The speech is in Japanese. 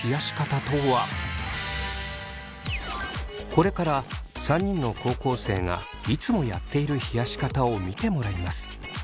これから３人の高校生がいつもやっている冷やし方を見てもらいます。